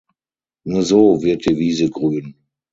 Nur so wird die Wiese grün.